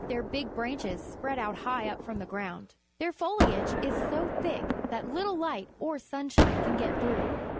Their big branches spread out high up from the ground. Their foliage is so thick that little light or sunshine can get through.